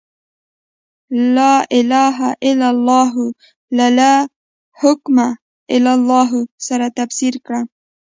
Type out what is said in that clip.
«لا اله الا الله» له «لا حاکم الا الله» سره تفسیر کړه.